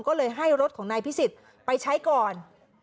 ก็เลยให้รถของนายพิสิทธิ์ไปใช้ก่อน